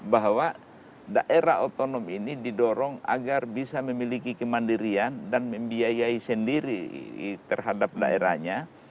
bahwa daerah otonom ini didorong agar bisa memiliki kemandirian dan membiayai sendiri terhadap daerahnya